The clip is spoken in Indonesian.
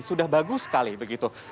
sudah bagus sekali begitu